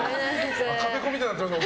赤べこみたいになってますよ。